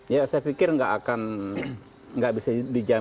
ya saya pikir tidak akan tidak bisa dijamin